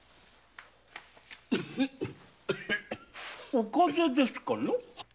お風邪ですか？